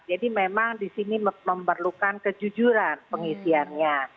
jadi memang di sini memerlukan kejujuran pengisiannya